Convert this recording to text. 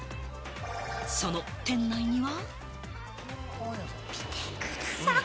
その店内には。